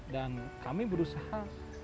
dan kami berusaha